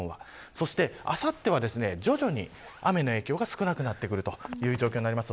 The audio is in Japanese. そして、あさっては徐々に雨の影響が少なくなってきているという状況になります。